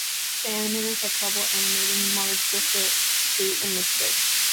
The animators had trouble animating Marge with the suit and lipstick.